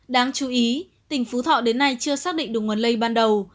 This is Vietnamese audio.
đáng chú ý tỉnh phú thọ đến nay chưa xác định được nguồn lây ban đầu